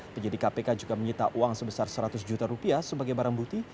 penyidik kpk juga menyita uang sebesar seratus juta rupiah sebagai barang bukti